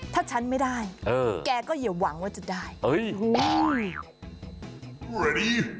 ถ้าฉันไม่ได้เออแกก็อย่าหวังว่าจะได้